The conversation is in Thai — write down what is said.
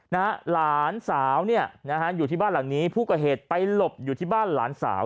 หลานสาวเนี่ยนะฮะอยู่ที่บ้านหลังนี้ผู้ก่อเหตุไปหลบอยู่ที่บ้านหลานสาว